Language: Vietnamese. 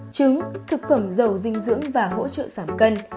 ba trứng thực phẩm giàu dinh dưỡng và hỗ trợ giảm cân